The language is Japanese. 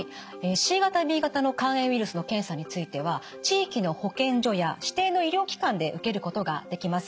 Ｃ型Ｂ型の肝炎ウイルスの検査については地域の保健所や指定の医療機関で受けることができます。